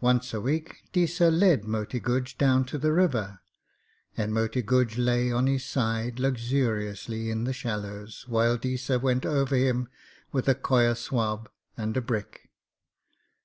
Once a week Deesa led Moti Guj down to the river, and Moti Guj lay on his side luxuriously in the shallows, while Deesa went over him with a coir swab and a brick.